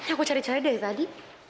aku cari cari dari tadi